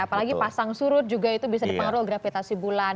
apalagi pasang surut juga itu bisa dipengaruhi gravitasi bulan